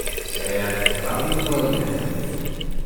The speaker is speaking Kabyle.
Sɛiɣ kraḍ n yigerdan.